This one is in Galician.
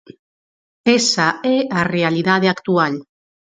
Esa é a realidade actual.